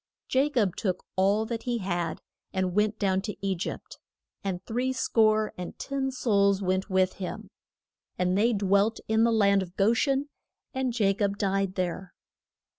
Ja cob took all that he had and went down to E gypt. And three score and ten souls went with him. And they dwelt in the land of Go shen, and Ja cob died there.